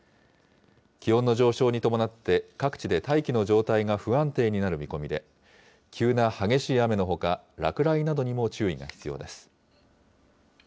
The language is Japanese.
気温の上昇に伴って各地で大気の状態が不安定になる見込みで、急な激しい雨のほか、落雷などにも注意が必要です。